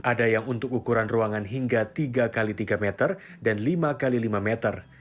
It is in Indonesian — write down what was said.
ada yang untuk ukuran ruangan hingga tiga x tiga meter dan lima x lima meter